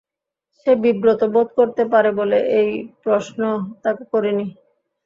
সে বিব্রত বোধ করতে পারে বলে এই প্রশ্ন তাকে করি নি।